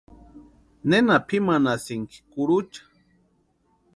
¿Nena pʼimanhasïnki kurucha?